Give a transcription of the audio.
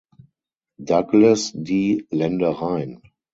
Douglas die Ländereien.